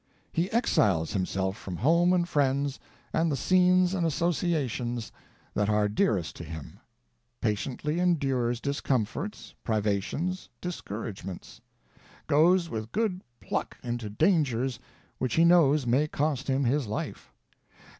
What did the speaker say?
He exiles himself from home and friends and the scenes and associations that are dearest to him ; patiently endures discomforts, privations, discouragements ; goes with good pluck into dangers which he knows may cost him his life ; and.